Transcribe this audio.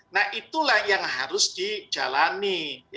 nah itulah yang harus dijalani